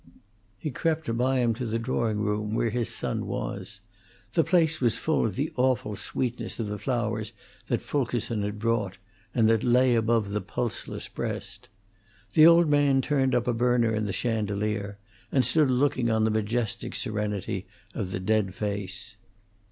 He crept by him to the drawing room, where his son was; the place was full of the awful sweetness of the flowers that Fulkerson had brought, and that lay above the pulseless breast. The old man turned up a burner in the chandelier, and stood looking on the majestic serenity of the dead face.